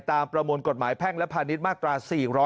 ประมวลกฎหมายแพ่งและพาณิชย์มาตรา๔๔